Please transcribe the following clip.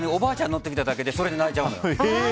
乗ってきただけでそれで泣いちゃうの。